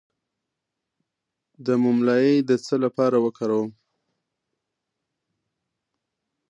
د موم لایی د څه لپاره وکاروم؟